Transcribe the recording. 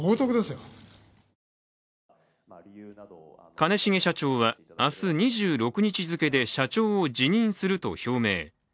兼重社長は明日２６日付けで社長を辞任すると表明。